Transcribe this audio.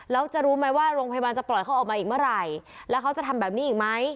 แล้วจะรู้ไหมว่าโรงพยาบาลจะปล่อยเขาออกมาอีกเมื่อไหร่แล้วเขาจะทำแบบนี้อีกไหม